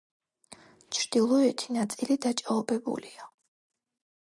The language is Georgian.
ჩრდილოეთი ნაწილი დაჭაობებულია.